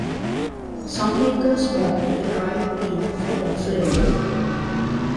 Some makers smoke the dried beef for more flavor.